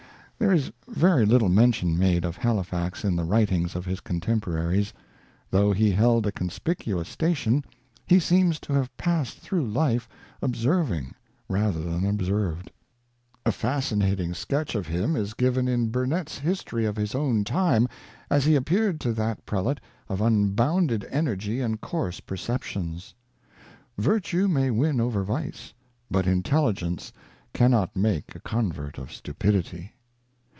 There is very little mention made of Halifax in the writings of his contemporaries. Though he held a con spicuous station, he seems to have passed through life observing rather than observed. A fascinating sketch of him is given in Burnet's History of His Own Time, as he appeared to that prelate of unbounded energy and coarse perceptions. Virtue may win over vice ; but intelligence cannot make a convert of stupidity.